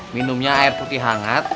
minumnya air putih hangat